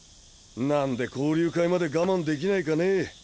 なんで交流会まで我慢できないかねぇ。